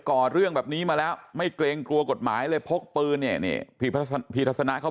่อเรื่องแบบนี้มาแล้วไม่เกรงกลัวกฎหมายเลยพกปืนเนี่ยนี่พี่ทัศนะเขา